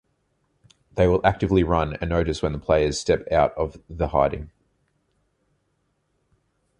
They will actively run and notice when the players step out from the hiding.